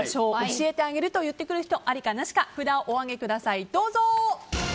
教えてあげる！と言ってくる人ありかなしか札をお上げください、どうぞ。